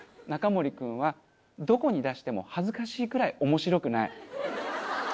ナカモリ君はどこに出しても恥ずかしいくらい面白くない。